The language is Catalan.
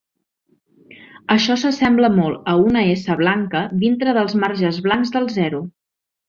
Això s'assembla molt a una "S" blanca dintre dels marges blancs del zero.